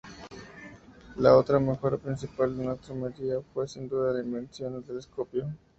La otra mejora principal en astrometría fue sin duda la invención del telescopio.